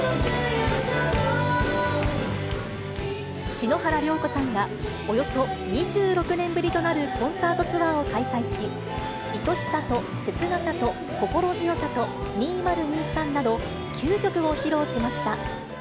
篠原涼子さんがおよそ２６年ぶりとなるコンサートツアーを開催し、恋しさとせつなさと心強さと２０２３など、９曲を披露しました。